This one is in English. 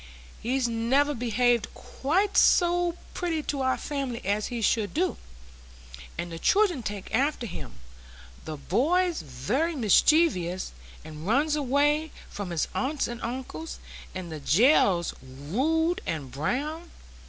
"He's never behaved quite so pretty to our family as he should do, and the children take after him,—the boy's very mischievous, and runs away from his aunts and uncles, and the gell's rude and brown.